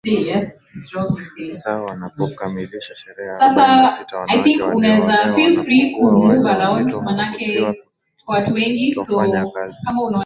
zao wanapokamilisha sherehe Arobaini na sita Wanawake walioolewa wanapokuwa waja wazito huruhusiwa kutofanya kazi